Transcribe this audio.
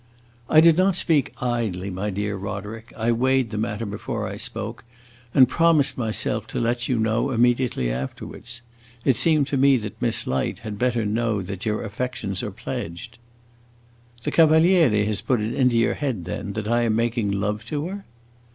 "I did not speak idly, my dear Roderick. I weighed the matter before I spoke, and promised myself to let you know immediately afterwards. It seemed to me that Miss Light had better know that your affections are pledged." "The Cavaliere has put it into your head, then, that I am making love to her?"